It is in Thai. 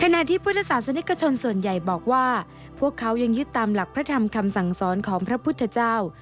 ที่พุทธศาสนิกชนส่วนใหญ่บอกว่าพวกเขายังยึดตามหลักพระธรรมคำสั่งสอนของพระพุทธเจ้า